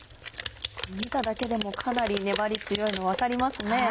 見ただけでもかなり粘り強いの分かりますね。